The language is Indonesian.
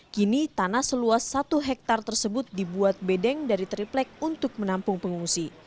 kini tanah seluas satu hektare tersebut dibuat bedeng dari triplek untuk menampung pengungsi